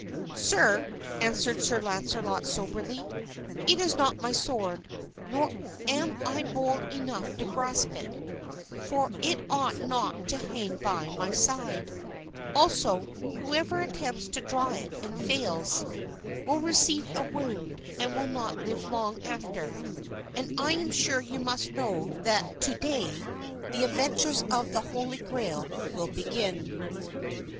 "Sir," answered Sir Launcelot soberly, "it is not my sword, nor am I bold enough to grasp it, for it ought not to hang by my side; also, whoever attempts to draw it and fails, will receive a wound and will not live long after; and I am sure you must know that to day the adventures of the Holy Grail will begin."